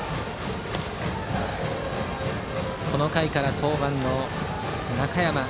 この回から登板の中山。